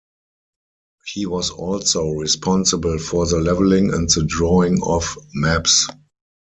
He was also responsible for the levelling and the drawing of maps.